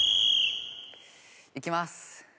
いきます。